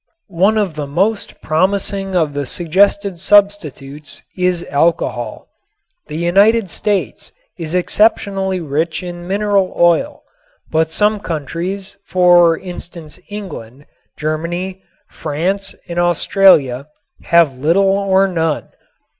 One of the most promising of the suggested substitutes is alcohol. The United States is exceptionally rich in mineral oil, but some countries, for instance England, Germany, France and Australia, have little or none.